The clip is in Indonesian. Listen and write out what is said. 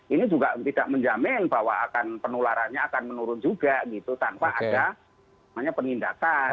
ini juga tidak menjamin bahwa akan penularannya akan menurun juga gitu tanpa ada penindakan